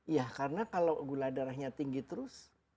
ya karena kalau gula darahnya tinggi terus